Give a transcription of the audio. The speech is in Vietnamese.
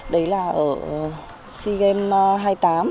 đấy là ở sea games hai mươi tám